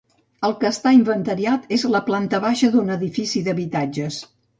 El que està inventariat és la planta baixa d'un edifici d'habitatges.